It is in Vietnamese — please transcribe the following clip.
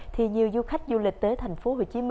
thì nhiều du khách du lịch tới tp hcm